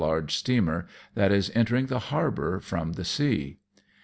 large steamer, that is entering the harbour from the sea.